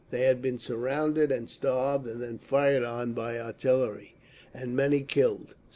They had been surrounded and starved, and then fired on by artillery, and many killed.